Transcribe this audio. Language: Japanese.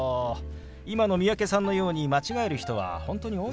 今の三宅さんのように間違える人は本当に多いんですよ。